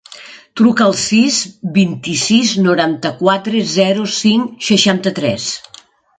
Truca al sis, vint-i-sis, noranta-quatre, zero, cinc, seixanta-tres.